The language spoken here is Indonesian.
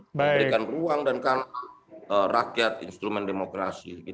memberikan ruang dan kanan rakyat instrumen demokrasi